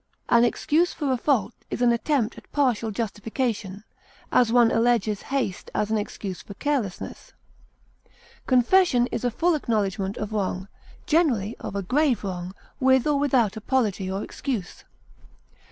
An excuse for a fault is an attempt at partial justification; as, one alleges haste as an excuse for carelessness. Confession is a full acknowledgment of wrong, generally of a grave wrong, with or without apology or excuse.